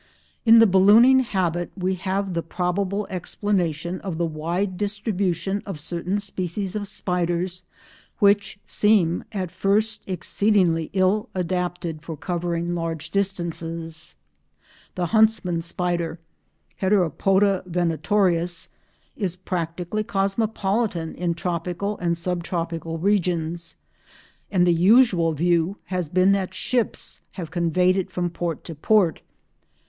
In the ballooning habit we have the probable explanation of the wide distribution of certain species of spiders which seem at first exceedingly ill adapted for covering large distances. The Huntsman Spider, Heteropoda venatorius, is practically cosmopolitan in tropical and sub tropical regions and the usual view has been that ships have conveyed it from port to port.